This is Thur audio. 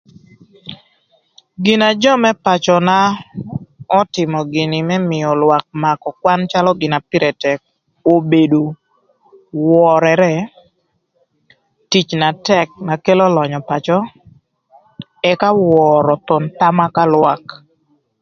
Gina jö më pacöna ötïmö gïnï më mïö lwak makö kwan calö gin na pïrë tëk obedo, wörërë, tic na tëk na kelo lönyö pacö, ëka wörö thon thama ka lwak.